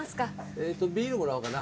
えっとビールもらおうかな。